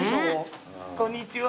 こんにちは。